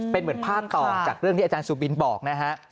เป็นเหมือนภาพต่อจากเรื่องที่อาจารย์สุบินบอกนะฮะ